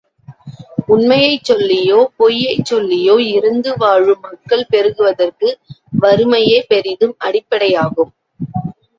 உண்மையைச் சொல்லியோ, பொய்யைச் சொல்லியோ இரந்து வாழும் மக்கள் பெருகுவதற்கு வறுமையே பெரிதும் அடிப்படையாகும்.